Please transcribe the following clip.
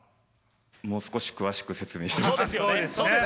もう少し詳しく説明してほしいです。